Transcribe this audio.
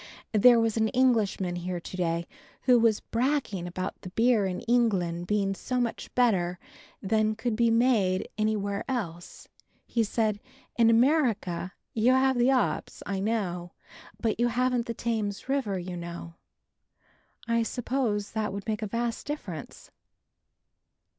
There was an Englishman here to day who was bragging about the beer in England being so much better than could be made anywhere else. He said, "In America, you have the 'ops, I know, but you haven't the Thames water, you know." I suppose that would make a vast difference!